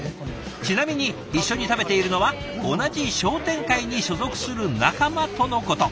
ちなみに一緒に食べているのは同じ商店会に所属する仲間とのこと。